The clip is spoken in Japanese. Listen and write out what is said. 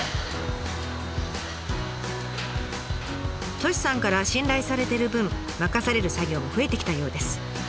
Ｔｏｓｈｉさんから信頼されてる分任される作業も増えてきたようです。